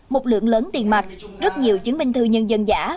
một lượng lớn tiền mặt rất nhiều chứng minh thư nhân dân giả